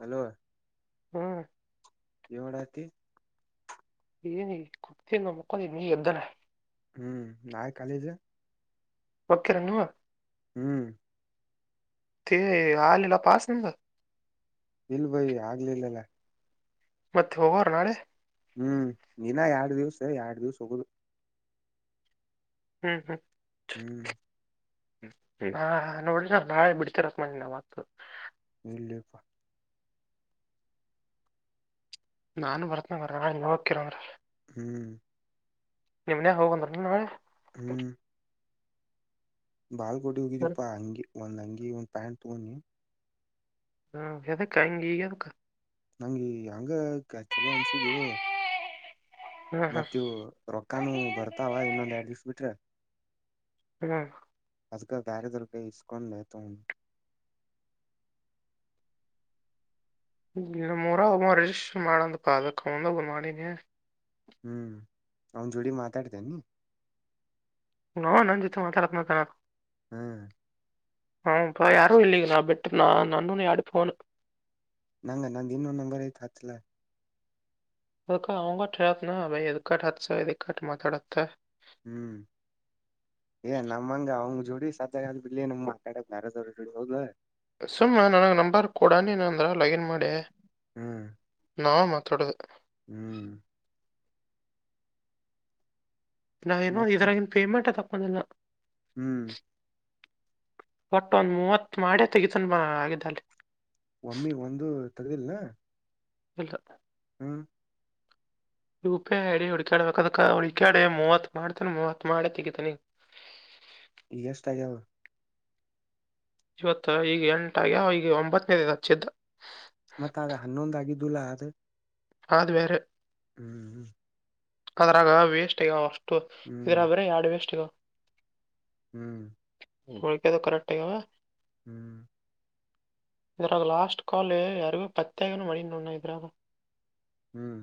Hello ಕವಡತಿ ಏನ ಕುತ ನ ಮುಕ್ಕ ನೀ ಎ್ದನ [unintelligible] ಹ್ಮ್ ನಾಾಯ್ ಕಾಲೇಜ ಹೊಕ್ಕಿರೇನು ನೀವು ಹ್ಮ್ ತ ಆಲೆಲ್ಲ ಪಾಸ ನಂಗ ಇಲ್ ಭಯ ಆಗ್ಲಿಲ್ಲಲ್ಲ ಮತ್ತೆ ಅವರ ನಳೆ ಹ್ಮ್ ನೀನ ಎರಡ್ ದಿವ್ಸ ಎರಡ್ ದಿವಸ ಹೋಗುದು [unintelligible] ಹ್ಮ್ ಹ್ಮ್ ಹ್ಮ್ [inaudible] ಹಾ ನೋಡ್ರಿ ನ ನಾಳೆ ಬಿಡ್ತಿರತ್ ಮಿ ನ ಮತ್ ಇಲ್ಲೇಪ್ಪ ನಾನು ಬರ್ತನ ಬರ ನೀನ್ ಹೋಗಕಿರ್ರ ಹ್ಮ್ ನಿಮ್ನೆೇ ಹೋಗಂದ್ರ ನಳೆ ಬಾಲ್ ಕೊಟ್ಟ ಸರಿ. ಹೋಗಿದಿಪ್ಪಾ ಹಂಗಿ ಒಂದ್ ಅಂಗಿ ಒಂದ್ ಪ್ಯಾಂಟ್ ತಗೊಂಡಿ ಹಾ ಯದ ಕಾಯಂಗ ಈ ನಂಗಗೆ ಹಂಗ ಚಲೋ ಅಂಸಿದ ಹ್ಮ್ ಹ್ಮ್ ಮತ್ತ ರೊಕ್ಕಾನು ಬರ್ತಾವ ಇನ್ನೊಂದ್ ಎರಡ್ ದಿವ್ಸ ಬಿಟ್ರೆ ಹಾ ಅದಕ ದಾರದ್ರಲಕ ಇಸ್ಕೊಂಡ ಲತಾ ಉಿ [unintelligible] [inaudible] ಮೂರ ಒ ರರಿಜಿಸ್ಟಷನ್ ಮಾಡಂದ ಪ ಅದಕ್ಕ ಒೊಂಡ ಹೋಗ ಮಾಡಿನಿ [unintelligible] ಹ್ಮ್ ಅವನ್ ಜೋಡಿ ಮಾತಾಡ್ತೇನೆ [unintelligible] ಹಾ ನ ಜತೆು ಮಾತ ರತ್ನಾ ಕ [unintelligible] ಹ್ಮ್ ಹ್ಮ ಅ ಯಾರು ಇಲ್ಲಿ ಈಗ ನಾ ಬಿಟ್ಟ್ರ ನಾ ನಾನ ಯಡುಫನು ನಂಗ ನಾ ದ ಇನ್ನೊ ನಂಗರ ಕಾತ್ಲ ಅದಕ್ಕ ಅವನ ಬದಕ ಹಸಕ್ಕ ಮಾತಾಡತ್ತ ಹ್ಮ್ ಏ ನಮ್ಮಂಗ ಅವಂಗ ಜೋಡಿ ಸಾಧ್ಯ ಬಿಲ್ಲಿ ನಮ್ ಮಾತಾಡ್ಯಾರ್ ಹೌದ ಸುಮ್ಮ ನನಗೆ ನಂಬರ್ ಕೊೂಡ ನೀನ ಅಂದ್ರ ಲಾಗಿನ್ ಮಾಡಿ ಹ್ಮ್ ನಾ ಮಾತೊಡದು ಹ್ಮ್ ನಾವೇನು ಮತ್ತ ಇದರಾಗಿನ್ ಪೇಮೆಂಟ್ ತಪ್ಪಂದಿಲ್ಲಾ ಹ್ಮ್ ಒಟ್ಟೊಂದ ಮೂವತ್ ಮಾಡೆ ತೆಗತೊಂಡ ಆಗಿದ್ದಳೆ ತದಲ್ ನ [unintelligible] ಹಳ್ಕತ್ತ [unintelligible] ಹ್ಮ್ U P I I D ಹುಡಕಾಡ್ಬೇಕ ಹುಕಾಡಿ ಮೂವತ್ ಮಾಡ್ತನಿ ಮೂವತ್ ಮಾಡಿ ತೆಗಿತನಿ. [inaudible] ಈಗ ಎಷ್ಟ ಆಗ್ಯಾವ ಇವತ್ತು ಈಗ ಎಂಟಾಗ ಅಗವ್ವ್ ಒಂಬತ್ತನೇದ ಹಚ್ಚಿದ್ದ. ಮತ್ತಗ ಹನ್ನೊಂದ ಆಗಿದ್ದುಲ್ಲಾ ಅದು. ಹದು ವೇರೆ. ಹ್ಮ್ ಹ್ಮ್. ಅದ್ರಾಗ ವೇಸ್ಟ್ ಈಗ ಅಷ್ಟು ಹ್ಮ್ ಇದ್ರಗ್ ಬರಿ ಎರಡ್ ವೇಸ್ಟ್ ಅಗವ್ವ್. ಹ್ಮ್. ಹಳಿಕದು ಕರೆಕ್ಟ್ಟಗಾವ. ಹ್ಮ್. ಇದ್ರರಾಗ ಲಾಸ್ಟ್ ಕಾಲ್ ಯಾರಿಗೂ ಪ್ರತ್ಯಾಗನ ಮಣಿನೋಡು ಇದ್ರಾಗ. ಹ್ಮ್.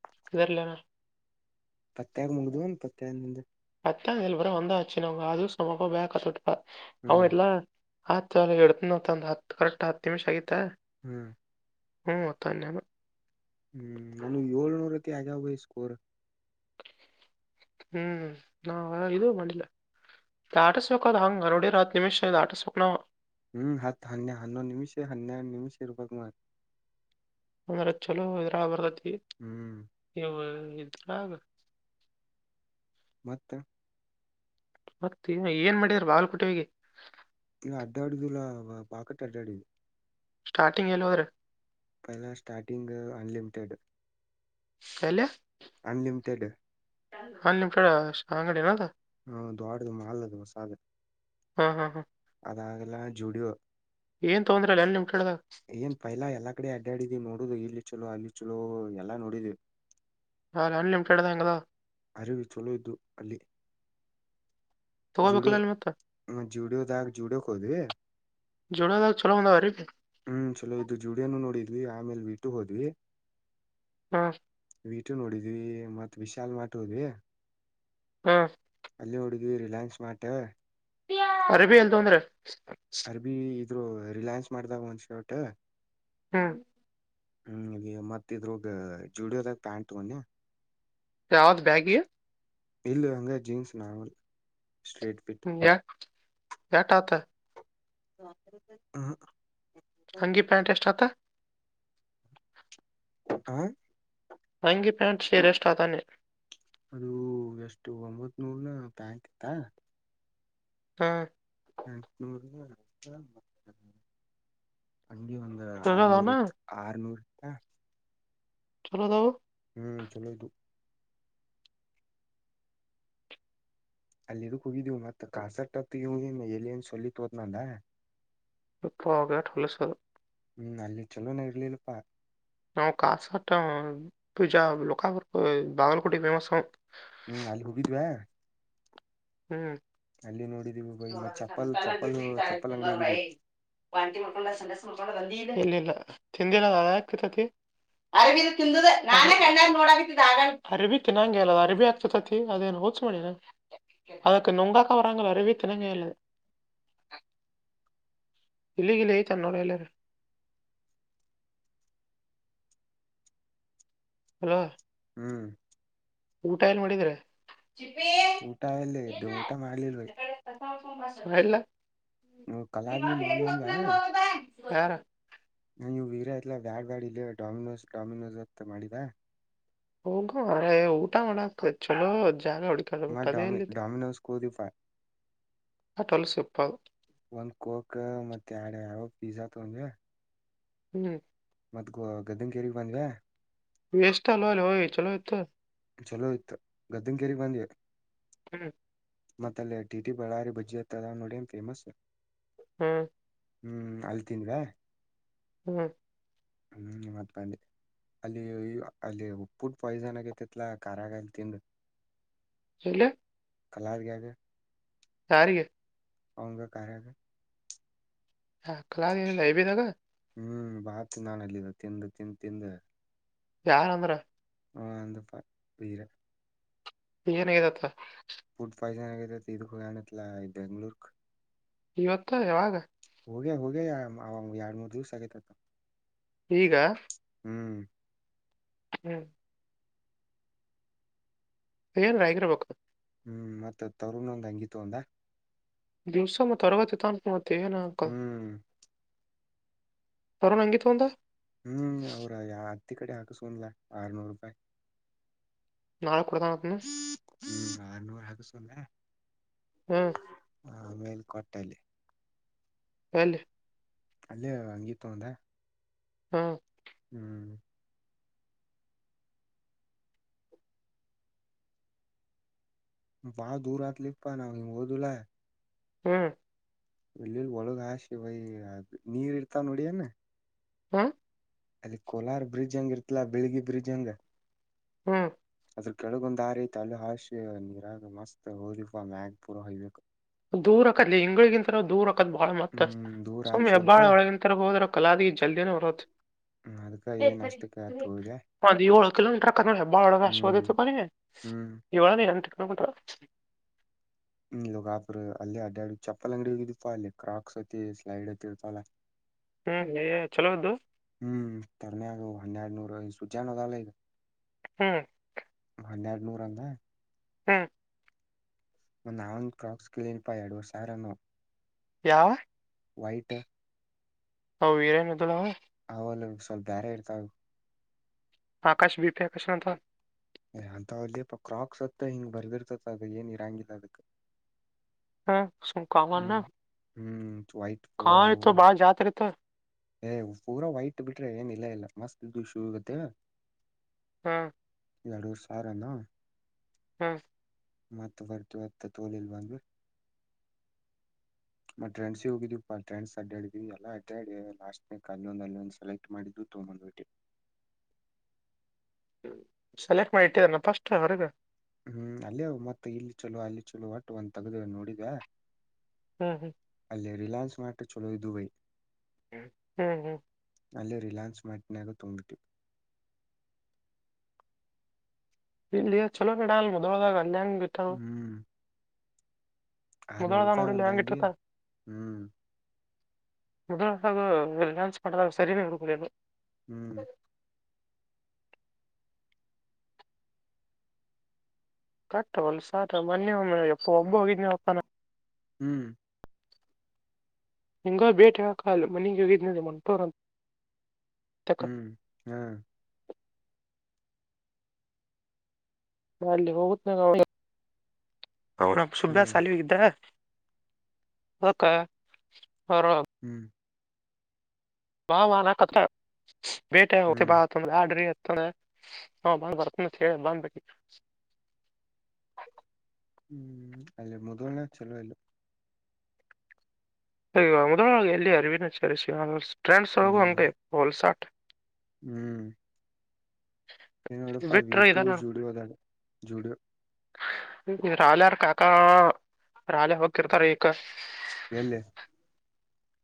[unintelligible] ಪತ್ತಾಗ ಮುಗ್ದಮೇಲೆ ಪತ್ತಾಗ ಮ್ ಅತ್ತ ಎಲ್ಬರ ಒಂದ ಆಚುನ್ ಅದು ಸಮಪ ಬ ತೊಡ್ ಅವನ್ ಹ್ಮ್ ಇಲ್ಲಾ. ಆತ್ ಚಲ ಎಡ್ತನಂದ ಹತ್ ಕರೆಕ್ಟ್ ಹತ್ತು ನಿಮಿಷ ಆಗಿತಾ. ಹ್ಮ್. ಹ್ಮ ತಂದನ. ಹ್ಮ್ ನಾನ ಏಳ್ನೂರ್ ಐತಿ ಆಗಾವೈ ಸ್ಕೋರ್. ಹ್ಮ್ ನಾ ಇದು ಮಾಡಿಲ್ಲ. ದಾಟ ಸೋಕ ಹಂಗ ಅರೋಡಿ ರತ್ ನಿಮಿಷ ಶ ದಾಟ ಸೌಕನವ್. ಹ್ಮ್ ಹತ್ತು ಹನ್ನೆ ಹನ್ನೊ ನಿಮಿಷ ಹನ್ನೆ ನಿಮಿಷ ರೂಪಾಯ ಮಾಡ. ಅಂದ್ರ ಚಲೋ ಇದ್ರಾ ಬರ್ದತಿ ಹ್ಮ್ ನೀವು. ಇದ್ರಗ್ [inaudible] ಮತ್ತೆ. ಮತ್ತ ಈ ಏನ್ ಮಾಡಿದಾರ ಬಾಲ್ಕುಟಿವಿಗೆ. ಇಲ್ಲ ಅಡ್ಡಾಡಿದಲ್ಲಾ ಬಾಕಟ್ ಅಡ್ಡಾಡಿದ. ಸ್ಟಾರ್ಟಿಂಗ್ ಎಲ್ಲ್ರ. ಪಹಲ ಸ್ಟಾರ್ಟಿಂಗ್ ಅನ್ಲಲಿಮಿಟೆಡ್. ಕಲೆ. [unintelligible] ಹ ನಿಮಚಡ ಆಂಗಡಿನ. ಹ್ಮ ದೋಡ್ದ ಮಾಲ್ದು ಮಸಾದ ಹಾ ಹಾ ಹಾ ಅದಾಗೆಲ್ಲ ಜುಡಿಯೋ. ಏನ್ ತೊಗೊಂಡ್ರಲ್ಲ ಅನ್ಲಿಮಿಟೆಡ್ದಾಗ ಏನ್ ಪೈಲಾ ಎಲ್ಲಾ ಕಡೆ ಅಡ್ಡಾಡಿದಿ ನೋಡುದು ಇಲ್ಲಿ. ಚಲೋ ಅಲ್ಲಿ ಚಲೋ ಎಲ್ಲಾ ನೋಡಿದ್ವಿ. ಹಾ ಅನ್ಲಿಮಿಟೆಡ್ ಹೆಂಗದಾ. ಅರಿವು ಚಲೋ ಇದ್ದು ಅಲ್ಲಿ. ಜುಡೋ ತಗೋಬೇಕಲ್ಲ ಅಲ್ಲಿ ಮತ್ತ ಜುಡಿಯೋದಾಗ ಜುಡೋ ಕೋದ್ವಿ. ಜೋಡೋದಾಗ ಚಲೋ ಒಂದಾವ ಅರಿಬಿ ಹ್ಮ್ ಚಲೋ ಇದು ಜ್ಯುಡ್ಯನು ನೋಡಿದ್ವಿ ಆಮೇಲೆ ವಿಟ್ಟು ಹೋದ್ವಿ. ಹಾ. ವೀಟು ನೋಡಿದ್ವಿ ಮತ್ ವಿಶಾಲ್ ಮಾರ್ಟ್ ಹೋದ್ವಿ. ಹಾ. ಅಲ್ಲಿ ನೋಡಿದ್ವಿ ರಿಲಯನ್ಸ್ ಮಾರ್ಟ್. ಅರಬಿ ಎಲ್ತ ಅಂದ್ರೆ. ಅರ್ಬಿ ಇದ್ರು ರಿಲಯನ್ಸ್ ಮಾಡ್ದಾಗ ಒಂದ್ ಶರ್ಟ್. ಹ್ಮ್. ಹ್ಮ್ ಮತ್ತ ಇ ತ ಜುಡೋ ದ್ಯಗ್ ಪ್ಯಾಂಟ ತಗೋಡೆ. ಯಾವ್ದ್ ಬಗ್ಗಿ. ಇಲ್ಲುವಂಗ ಜೀನ್ಸ್ ನಾವಲ್ ಸ್ಟ್ರೀಟ್ ಫಿಟ್. ಯೇಟ್ಅಥ. ಹ್ಮ ಹಂಗಿ ಪ್ಯಾಂಟ್ ಎಷ್ಟತ್ತ ಆ ಅಂಗಿ ಪ್ಯಾಂಟ್ ಶೇರೆ ಎಷ್ಟಾತಾನೆ ಅದು ಎಷ್ಟು ಒಂಬತ್ ನೂರ್ನ ಪ್ಯಾಂಕ್ ಇತ್ತಾ ಹಾ [unintelligible] ಅಂಗಿ ಒಂದು ಚಲೋ ಆರ್ನೂರು ಅದಾವನ ಇತ್ ಆರ್ನೂರು ಇತ್ತಾ ಚಲೋದವು ಹ್ಮ್ ಚಲೋತು ಅಲ್ಲಿಡಕ್ ಹೋಗಿದ್ದೀವು ಮತ್ ಕಾಸಟ್ ಹತ್ ಇ ಎಲ್ಲಿ ಏನ್ ಸಲಿತ್ ಹೋದನಲ್ಲ ಇಪ್ಪ ಆಗ ಲಸ ಹ್ಮ್ ಅಲ್ಲಿ ಚಲ ನ ಇರಲಿಲ್ಲಪ್ಪಾ ನಾವು ಕಾಸಾಟ ಪೂಜಾ ಲಕಾಪುರ್ ಬಾಗಲಕೋಟೆ ಫೇಮಸ್ ಹ್ಮ್ ಅಲ್ಲಿ ಹೋಗಿದ್ವಾ ಹ್ಮ ಅಲ್ಲಿ ನೋಡಿದೀವಿ ಬೈ ಮತ್ ಚಪ್ಪಲ್ ಸಂತಾನ ಚಪ್ಪಲ್ ಚಪ್ಪಲ್ ಅಂಗಡಿ [unintelligible] ಹೋಗಿದೀವಿ ವಾಟಿ ಮು ಮಾಡಕೊಂಡ ಸಂಡಸ್ ಮು ಮಾಡಕೊಂಡ ದಂದ ಇಲ್ಲಿಲ್ಲ ತಿಂದಿಲ್ಲ ಯಾಕತತಿ ಅರ ನಣ ನೋಡ ಅರಿಬಿತಿ ನಂಗೆ ಅಲ್ಲ ಅರಿಬಿ ಆಗ್ತತತಿ ಅದೇನು ಓದಸ ಮಾಡಿಿನ ಅದಕ್ಕೆ ನುಂಗಾಕ ವರಾಂಗ ಅರಿವ ತಿಿನಂಗಲ್ಲ ಇಲ್ಲಿಗಲೇ ತನ್ನೊಡ ಎಲ್ಲರು ಹಲ ಹ್ಮ್ ಊಟ ಎಲ್ ಮಾಡಿದ್ರೆ ಊಟಾಯಲ್ಲೇದ ಊಟ ಮಾಡಲಿಿಲ್ಲಯ ಮಾಡ ಮಾಡನಂದ ಯಾರ ನೀವು ವೀರ ತ್ಲ್ಲಾ ಬ್ಯಾಡ್ ಬ್ಯಾಡ್ ಇ ಡೊಾಮಿನೋಸ್ ಡಾಮಿನೋಸ್ ಅತ್ತ ಮಾಡಿದಾ ಹೋಗ ಮ್ರ ಊಟ ಮಾಡಕ ಚಲೋ ಜಾಗ ಮತ್ ಹುಡ್ಕಳಬಿಟ್ಟದೇ ಡಾಮಿ ಎಲ್ಲಿದ್ದ ಡಾಮಿನೋಸ್ ಹೋದಿಪಾ ಆಟೋಲ್ಲಿ ಸಿಪ್ಪ ಒಂದ್ ಕೋಕ್ ಮತ್ತ ಎಡು ಯಾವ ಪಿಜಜಾ ತೊಂದ್ರ ಹ್ಮ್ ಮತ್ ಗ ಗದಂಗೇರಿ ಬಂದ್ವ ವೇಷ್ಟಟ್ ಆಲ್ಲಲ್ಲ ಹ ಚಲೋ ಇತ ಚಲೋ ಇತ ಗದ್ದಮ ಕೆರಿ ಬ ಹ್ಮ್ ಮತ್ತ ಅ ಡಿ ಟಿ ಬಳ್ಳಾರಿ ಬಜ್ಜಿ ಹತ್ತದ ನೋಡಿ ಫೇಮಸ್ ಹ್ಮ್ ಹ್ಮ್ ಅಲ್ಲಿ ತಿಂದವಾ ಹ್ಮ್ ಹ್ಮ್ ಮತ್ ಅಲ್ಲಿ ಅಲ್ಲಿ ಉ ಪುಡ್ ಪಾಯ್ಸನ್ ಆಗೈತೆ ಇಲ ಕಾರಖರಾಗಲ್ಲ ತಿಂಡ ಚಲ್ಲ ಕಲ ಹಾಸ ಗದೆ ಯರಿಗೆ ಅವಂಗ ಕಾರರಾಗ ಹಾ ಕಲಾನಲ್ಲ ಇಬ ನಾಗ ಹ್ಮ್ ಬಾತಿ ನಾನಲ್ಲಿ ತಿಂದು ತಿಂದ ತಿಂದೆ ಯಾರ ಅಂದ್ರ [unintelligible] ಈಗನ್ಗದತ್ತ ಪಹ ಜಾನಾಗ ಇದು ಆಲ ಬೆಂಗಳೂರ್ ಇವತ್ತಾವಾಗ ಹೋಗೆ ಹೋಗೆ ಎರಡ್ ಮೂರ್ ದಿವಸ ಆಗೈತತ್ತ ಈಗ ಹ್ಮ್ ಏನ್ ರ ಆಗಿರ್ಬೇಕು ಹ್ಮ್ ಮತ್ತತ್ ತರುನೊಂದ ಹಂಗತ್ತು ಒಂದ ದಿವಸ ಮತ್ತು ಅರವತ್ತ ತನಕು ಮತ್ತೇನ ಅಂಕಲ್ ಹ್ಮ್ ರ ನಗೆ ತದ ಹ್ಮ್ ಅವ್ರ ಯ ಹತ್ತಿ ಕಡೆ ಹಾಕಸೂನ್ಲ ಆರ್ನೂರು ರೂಪಾಯಿ ನಾಳೆ ಕೊಡ್ತಾನತ್ನ ಹ್ಮ್ಮ್ ಆರ್ನೂರು ಹಾಕುಸ್ಕೊಂಡ್ರ ಹ್ಮ್ ಆಮೇಲ್ ಕೊಟ್ಟಲೆ [inaudible] ಅಲ್ಲಿೇ ಹಂಗೀ ತಂದ ಹ್ಮ ಹ್ಮ್ ವಾ ದೂರ ಆತ್ಲಿಪ್ಪ ನಾ ಹ ಓದುುಲ ಹ್ಮ್ ಇಲ್ಲಿಲ್ಲಿ ಒಳಗ ಆಶ ಭಯ ನೀರ್ ಇರ್ತಾವ ನೋಡಿಯನ ಹಾ ಅಲ್ಲಿ ಕೋಲಾರ ಬ್ರಿಡ್ಜ್ ಹಂಗಿರ್ತಿಲಾ ಬಿಳಿಗಿ ಬ್ರಿಡ್ಜ್ ಹಂಗ ಹ್ಮ್ ಅದ್ರ ಕೆಳಗೊಂದು ದಾರಿ ತಲೆ ಹಾಶಿ ನೀರಾಗ ಮಸ್ತ್ ಹೋದಿಪ್ಪ ಮ್ಯಾಗ್ ಪೂರ ಹೊಯ್ಬೇಕು ದೂರಕ್ಕ ಅಲ್ಲಿ ಹಂಗ್ಗಳಗಂತಾವು ದೂರ ತ್ ಬಾಳ ಮತ್ತ ಹ್ಮ್ ದೂರ ಆತ್ ಸುಮ್ಮಿ ಸ್ವಲ್ಪ ಹೆಬ್ಬಾಳ ಒಳಗಿನ ತರಗೆ ಹೋದ್ರ ಕಲಾದಿ ಜಲ್ದಿನ ಬರತ್ ಅದಕ್ಕ ಏನ್ ಸರಿ ಅಷ್ಟಕ್ಕ ಆತ್ ಸರಿ ಹೋದೆ ಒಂದು ಏಳು ಕಿಲೋಮೀಟರ್ಕ್ಕ ಬಾಳ ಹ್ಮ್ ವಶ್ದ ಪ ಹ್ಮ್ ಏಳಟ ಹಟ [inaudible] ಇೋಗಾಪರು ಅಲ್ಲಿ ಅಡ್ಡಡು ಚಪ್ಪಪಲ್ ಅಂಗಡಿ ಹಪ ಅಲ್ಲಿ ಕ್ರಾಕ್ಸ್ ತಿ ಸ್ಲೈಡ್ ತಿ ಇರ್ತಲ್ಲ ಹ್ಮ್ ಚಲೋದ್ದು ಹ್ಮ್ ತರ್ಮಗ ಹನ್ನೆರಡುನೂರು ಸುಜಾನದಲ್ಲ ಈಗ ಹ್ಮ್ ಹನ್ನೆರಡು ನೂರ ಅಂದ ಹ್ಮ ಒಂದ್ ಅವನ್ ಕ್ರಾಕ್ಸ್ ಕ್ಲನ್ಪಾ ಎರಡ್ುವರ್ ಸಾವ್ರನು ಆ ವೈಟ್ು ಹ ವೀರನ್ದುಲ ಅವಲ್ಲ ಸ್ವಲ್ಪ ಬೇರೆ ಇರ್ತಾವ ಆಕಾಶ ಬಿೀ ಪಿ ಆಕಷಣ ಅಂತ ಒಲಿಪ್ಪ ಕ್ರಾಕ್ಸ್ತ್ತ ಹಿಂಗ್ ಬರ್ದಿರ್ತದ ಅದ ಏನ್ ಇರಾಂಗಿಲ್ಲ ಅದಕ್ಕೆ ಶು ಕಾಮ ನ ಹ್ಮ್ ವೈಟ್ ಕ ರತ ಬಾರ ಜತ ರತ ಏ್ ಪೂರಾ ವೈಟ್ ಬಿಟ್ರೆ ಏನ್ ಇಲ್ಲ ಇಲ್ಲ ಮಸ್ತ್ ಇದು ಶೂ ಇಗತ್ತೇ ಹ್ಮ ಇಡು ಸಾರ ನ ಹ್ಮ ಮತ್ತ ವರ್ತವತ್ತ ತೋಲಲ್ ಬಂದು ಮತ್ತ ಟ್ರೆಂಡ್ಸ ಹೋಗಿದ್ವಿಾ ಟ್ರೆಂಡ್ಸ್ ಅಡ್ಡಾಡಿದೀವಿ ಎಲ್ಲ ಅಡ್ಡಾಡ ಲಾಸ್ಟ್ನಕ್ ಅಲ್ಲೊಂದು ಅಲ್ಲೊಂದು ಸೆಲೆಕ್ಟ್ ಮಾಡಿದ್ದು ತಂಬಂದು್ಬಿಟೆ ಸೆಲೆಕ್ಟ್ ಮಾಡಿಟ್ಟಿದ್ದಲ್ಲ ಪಫಸ್ಟ್ ಹೊರಗ ಹ್ಮ್ ಅಲ್ಲೇ ಮತ್ತತ್ ಇಲ್ಲಿ ಚಲೋ ಅಲ್ಲಿ ಚಲೋ ಒಟ್ಟು ಒಂದ ತಗ್ದೇವ ನೋಡಿದ ಹ್ಮ್ ಹ್ಮ್ ರಲಯನ್ಸ್ ಮಾಡ ಚಲೋದು ದುಬೈ ಹ್ಮ್ ಹ್ಮ್ ಅಲ್ಲಿ ರಿಲಯಾನ್ಸ್ ಮ್ಯಾಟನ್ಾಗ ತುಂಬಿಟ್ಟು ಇಲ್ಲಿಯಾ ಚಲೋ ನಡಾಲು ಮೊದಲದ ಕಲ್ಯಾಣ ಗಟ್ಟ ಹ್ಮ್ ಆರ್ನೂರು ಮುೊದಲಾದ ರೂಪಾಯಿ ನೋಡಿ ಒಂದ್ ಲಾಂಗ್ ಅಂಗಿ ಕಟ್ಟತ್ತ ಹ್ಮ್ ಹಡು ಡಾನ್ಸ್ ಮಾಡದಾಗ ಸರಿ ಹುಡುಗಳಿಯನು ಹ್ಮ್ ಕಕ್ತವಲ್ ಸಾ ಮೊನ್ನೆ ಒಮ್ಮಪ್ಪ ಒಬ್ಬ ಹೋಗಿದನವಪ್ಪಾನ ಹ್ಮ್ ಹಿಂಗ ಭೇಟೆ ಹಾಕಲು ಮನೆಗೆ ಹೋಗಿದ್ನ ಮಂಟೋರಂತ ಹ್ಮ್ ಹಾ್ ಅಲ್ಲಿ ಹೋಗನ ಹಾ ಸುಬ್ಯಸ್ ಅಾಲಿವಗ ಇದ್ದ ಒಕ ಹ್ಮ್ ವಾ ವ ನ ಕತ ಬೇಟೆತ್ತೆ ಹ್ಮ್ ಬಾ ತು ಆಡ್ರ ಹ ಬಂದ್ ಬರ್ತನ ಬಂದ್ ಹ್ಮ್ ಅಲ್ಲೇ ಮುದುವನ ಚಲಲ್ಲ ಈ ಮೊದ ಎಲ್ಲಿ ಅರಿವಿನ ್ರೆಂಡ್ಸ್ ಒಳಗೂ ಹ್ಮ್ ಹಂಗೆ ಹೊಲ್ಸಾಟ್ ಹ್ಮ್ ಎೋಡಪಾ ಬಿಟ್ರ ಇದ ವೀಟು ಜೂಡ ಹದಾ ಜೂಡ ರಾಲೆಾರ ಕಾಕಾ ರಾಲೆ ಹೋಗಿರ್ತಾರ ಈಗ ಎಲ್ಲಿ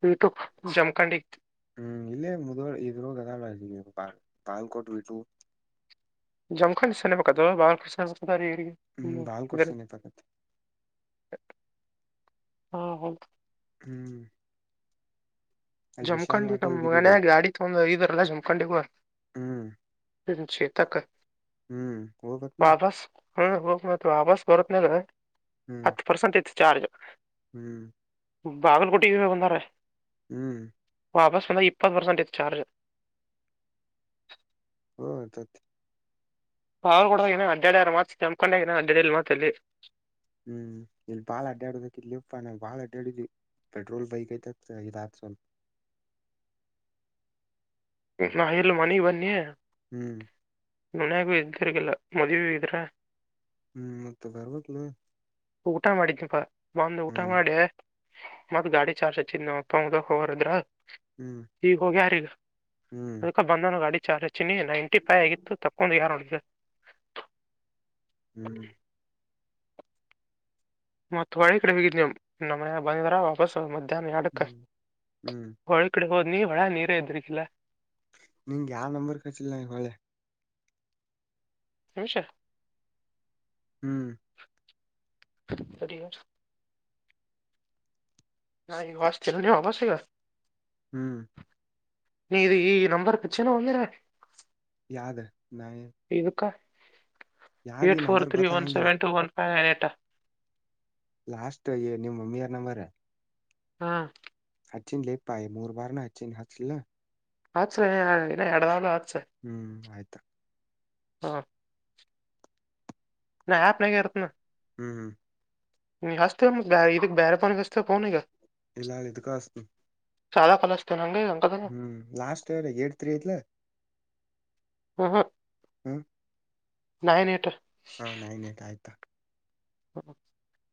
ಹು ಜಮಖಂಡಂಡ ಹ್ಮ್ ಇಲ್ಲೇ ಮುದ್ ಇದ್ರದ ಬಾ ಬಾಲ್ಕೋಟ್ ಬಿಟ್ಟು ಜಮಖ ಸನ್ಮಕದು ಬ ಸ ಹ ಹ್ಮ್ ಬಾಳ್ ಇದ ಕೊಡ್ಸನ ಪಕತ್ ಹಾ ಹೌ ಹ್ಮ್ ಅಲ್ಲಿ ವಿಶಾಲ್ ಜಮಕಂಡಿ ಮಾಟಿ ತಮ್ಮ ಹೋಗಿದೀವಿ ಬೈ ಮನ್ಯಾಗ ಗಾಡಿ ತಗೊ ಇದ್ರಲ್ಲಾ ಜಮಕಂಡಿಗೂ ಹ್ಮ್ ಹಛೆ ತಕ್ಕ ಹ್ಮ್ ಬತ್ತುನಾ ಹ್ಮ ಹೋಗ ಮ ವಾಸ್ ಬರತ್ನಾಗ್ರ ಹ್ಮ್ ಹತ್ತು ಪರ್ಸೆಂಟ್ ಐತ್ತು ಚಾರ್ಜ್ ಹ್ಮ್ ಬಾಗಲು ಕೊಟ್ಟಿದ್ದೀ ಬಂದಾರೆ ಹ್ಮ್ ವಾಪಸ್ ಬಂದ ಇಪ್ಪತ್ತು ಪರ್ಸೆಂಟ್ ಇಐ ಚಾರ್ಜ್ ಹಾ ತತ್ ಹ ಕಡ ಅಡಾರ ಮಾತ್ ತಂಬಕೊಂಡ ನ ಅಡ್ಡ ಮಾತಲ್ಲಿ ಹ್ಮ್ ಇಲ್ಲಿ ಬಾಳ ಅಡ್ಡಾಡುದಕ್ಕೆ ಇಲ್ಲಿ ಇಪ್ಪಾನ ಬಾಳ ಅಡ್ಡಾಡುದಿ ಪೆಟ್ರೋಲ್ ಬಹಕೈತಲ್ಲ ಸ [inaudible] ನಾ ಇಲ್ ಮನೆಿ ಬನ್ನಿ ಹ್ಮ್ ಗುನ್ಯಾಗೂ ಇದ್ದಿರ್ಗಿಲ್ಲ ಮದ್ುವ ಇದ್ರ ಹ್ಮ್ ಮತ್ತೆ ಬರ್ಬೇಕಕ್ಲ ಊಟ ಮಾಡಿದನಿಪ್ಪಾ ಬಂದು ಊಟ ಹ್ಮ್ ಮಾಡೆ ಮತ್ತ್ ಗಾಡಿ ಚಾರ್ಜ್ ಹಚ್ಚಿದ್ ನ ಅಪ್ಪ ಉದಕ್ ಹೋಗಾರದ್ರ ಹ್ಮ್ ಈಗ ಹೋಗ ಯಾರೀಗ ಹ್ಮ್ ಅದಕ್ಕ ಬಂದ ಗಾಡಿ ಚಾರ್ಜ ಚಿನಿ ನೈಂಟಿ ಫೈ ಆಗಿತ್ತು ತಕೊಂಡು ಯ ನೋಡ [inaudible] ಮತ್ ಹೊಳ್ಳೆ ಕಡೆ ಬಂದ್ರೆ ಮುಗಿತು ನಮ್ಮ ಮನೆ ಕಡೆ ಬಂದ್ರಾ ವಾಪಸ್ ಮ ಅದಕ್ಕ ಹ್ಮ್ ಹ್ಮ್ ಹೊಳ ಕಡೆ ಹೋದ್ನನಿ ಹೊಳೆ ಕಡೆ ನೀರೇ ಅಯ್ತ್ರಿ ನಿಂಗ ಯಾವ ನಂಬರ್ ಕಳಿಸಿಲ್ಲ ಈಗ ಹೊಳ್ಳೆ ಕಲ್ಸರ ಹ್ಮ್ ಸರಿ [unintelligible] ಹ್ಮ್ಮ್ ನೀ ಇದು ಈ ನಂಬರ್ಗೇ ಚಲೋ ಒಂದಿರ ಯದೇ ನಂದ್ ಏ್ಟಟ್ ಫೋರ್ ತ್ರೀ ಒನ್ ಗೊತ್ತಾಗಂಗಿಲ್ಲ seven two one five nine eight last ನೀವ್ ಮಮ್ಮಿ ಯಾರ್ ನಂಬರ್ ಹಾ ಹಚ್ಚಿಲೇಪ ಮೂರು ಬಾರಿನಿ ಹಚ್ಚಿಲಿಲ್ಲ ಹಚ್ರಿ ಇನ್ನ ಎರಡಾಳು ಹ್ಮ್ ಆಯ್ತಾ ಹಾ ನಾ ಆಪ್ ನಗೆ ಇರ್ತಿನಿ ಹ್ಮ್ ಹ್ಮ್ ಹಚ್ತಿನಿ ಬ್ಯಾರೇ ಹಚ್ಚಿಕ್ ಪೋನ್ಗ ಇಲ್ಲಾ ಇದ್ದಾಗ ಹಚ್ತಿನಿ ಚಾಲ ಹ್ಮ್ ಲಾಸ್ಟ್ ಎಯಿಟ್ ತ್ರೀ ಆಯ್ತಲಾ ಹಾ ಹಾ ಹ್ಮ್ ನೈನ್ ಎಯಿಟ್ ಹಾ ನೈನ್ ಎಯಿಟ್ ಆಯ್ತು [inaudible]